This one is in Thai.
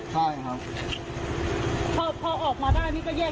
พอออกมาได้นี่ก็แยกย้ายกันอีกหมดเลยเหรอ